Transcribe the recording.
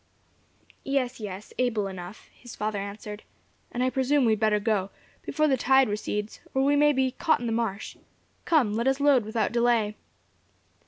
"Yes, yes, able enough," his father answered. "And, I presume, we had better go, before the tide recedes, or we may be caught in the marsh. Come, let us load without delay."